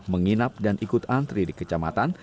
menginap dan ikut antri di kecamatan